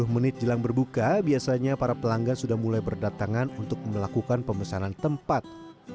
sepuluh menit jelang berbuka biasanya para pelanggan sudah mulai berdatangan untuk melakukan pemesanan tempat